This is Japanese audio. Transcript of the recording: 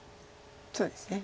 そうですね。